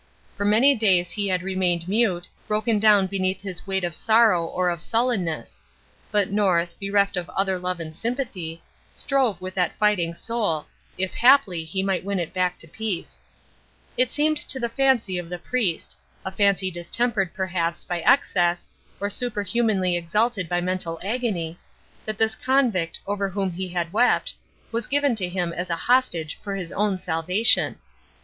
For many days he had remained mute, broken down beneath his weight of sorrow or of sullenness; but North, bereft of other love and sympathy, strove with that fighting soul, if haply he might win it back to peace. It seemed to the fancy of the priest a fancy distempered, perhaps, by excess, or superhumanly exalted by mental agony that this convict, over whom he had wept, was given to him as a hostage for his own salvation.